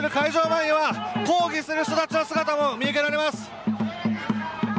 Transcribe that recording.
前には抗議する人たちの姿も見受けられます。